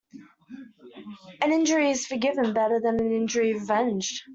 An injury is forgiven better than an injury revenged.